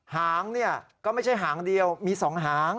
หางเนี่ยก็ไม่ใช่หางเดียวมี๒หาง